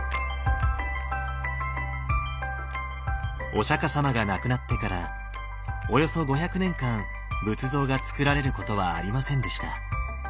お釈様が亡くなってからおよそ５００年間仏像が造られることはありませんでした